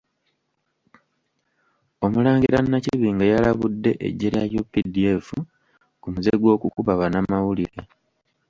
Omulangira Nakibinge yalabudde eggye lya UPDF ku muze gw’okukuba bannamawulire